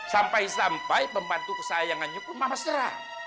sampai sampai pembantu kesayangannya pun mama serah